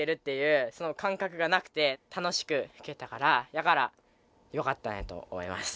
やからよかったんやと思います。